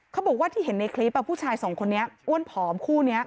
เขาบอกว่าที่เห็นในคลิปผู้ชายสองคนนี้อ้วนผอมคู่นี้